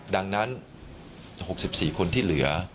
ดังนั้น๖๔คนที่เหลือ